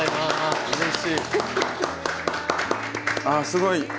あすごい。